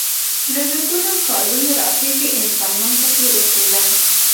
له زرګونو کالونو راهیسې انسانان پکې اوسېدل.